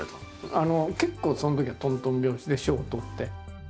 結構そのときはとんとん拍子で賞をとって。